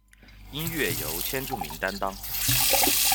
音乐由千住明担当。